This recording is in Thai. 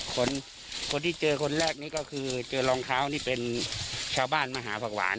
คนที่เจอคนแรกนี้ก็คือเจอรองเท้านี่เป็นชาวบ้านมหาผักหวาน